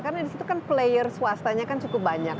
karena di situ kan player swastanya kan cukup banyak